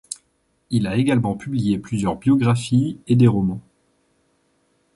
Il a également publié plusieurs biographies et des romans.